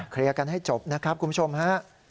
เคลียร์กันให้จบนะครับคุณผู้ชมฮะ